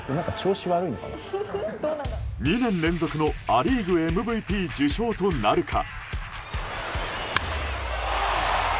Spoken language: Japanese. ２年連続のア・リーグＭＶＰ受賞となるか。